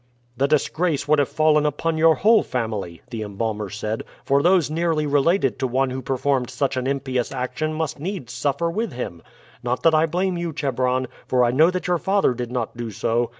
"The disgrace would have fallen upon your whole family," the embalmer said; "for those nearly related to one who performed an impious action must needs suffer with him. Not that I blame you, Chebron; for I know that your father did not do so.